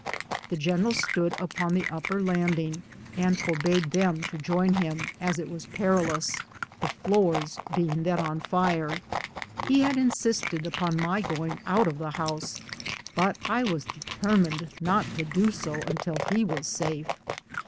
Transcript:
The gen eral stood upon the upper landing and forbade them to join him, as it was perilous, the floors being then on tire. He had insisted upon my going out of the house, but I was determined not to do so until he was safe.